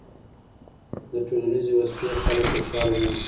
د ټولنیزې وصلۍ خلک خوشحاله ژوند کوي.